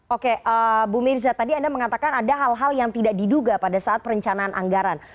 oke bu mirza tadi anda mengatakan ada hal hal yang tidak diduga pada saat perencanaan anggaran